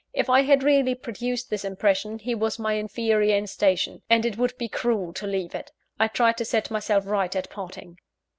If I had really produced this impression, he was my inferior in station, and it would be cruel to leave it. I tried to set myself right at parting.